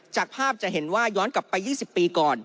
จากภาพจะเห็นว่าย้อนกลับไป๒๐ปีก่อน